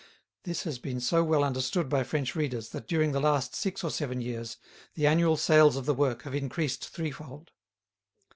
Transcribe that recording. This has been so well understood by French readers that during the last six or seven years the annual sales of the work have increased threefold.